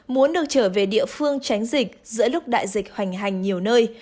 muốn được trở về địa phương tránh dịch giữa lúc đại dịch hoành hành nhiều nơi